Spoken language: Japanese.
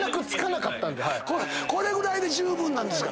これぐらいで十分なんですか？